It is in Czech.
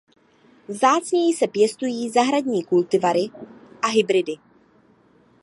Vzácněji se pěstují zahradní kultivary a hybridy.